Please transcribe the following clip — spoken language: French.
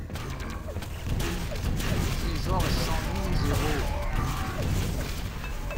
Chez Georges Chandon-Géraud.